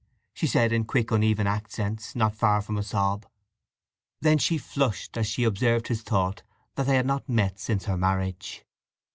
she said in quick, uneven accents not far from a sob. Then she flushed as she observed his thought that they had not met since her marriage.